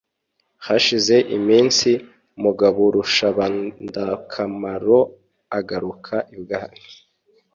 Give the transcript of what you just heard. hashize iminsi mugaburushabandakamaro agaruka ibwami,